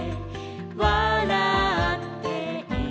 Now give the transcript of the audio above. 「わらっているよ」